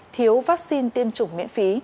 thiếu vaccine tiêm chủng miễn phí